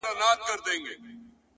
ستا د سونډو د خندا په خاليگاه كـي;